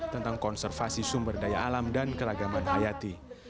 tentang konservasi sumber daya alam dan keragaman hayati